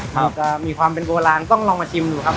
มีความเป็นโบราณต้องลองมาชิมดูครับ